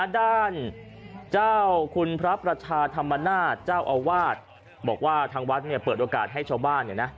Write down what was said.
ด้านเจ้าคุณพระประชาธรรมนาศเจ้าอาวาสบอกว่าทางวัดเนี่ยเปิดโอกาสให้ชาวบ้านเนี่ยนะ